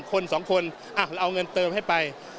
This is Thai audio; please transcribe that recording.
คน๒คนเอาเงินเติมให้ไป